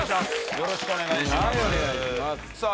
よろしくお願いしますさあ